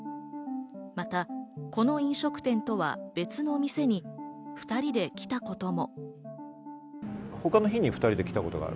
また、この飲食店とは別の店に、２人で来たことも。